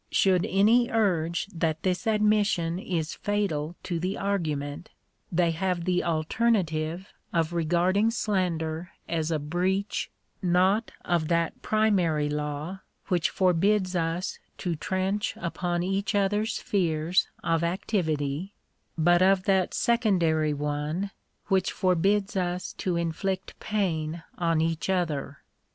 Should any urge that this admission is fatal to the argument, they have the alternative of regarding slander as a breach, not of that primary law which forbids us to trench upon each other's spheres of activity, but of that secondary one which forbids us . to inflict pain on each other.